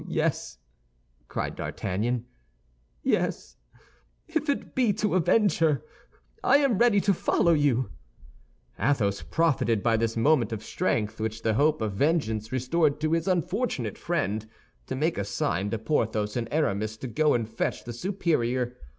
"Oh, yes!" cried D'Artagnan, "yes! If it be to avenge her, I am ready to follow you." Athos profited by this moment of strength which the hope of vengeance restored to his unfortunate friend to make a sign to Porthos and Aramis to go and fetch the superior.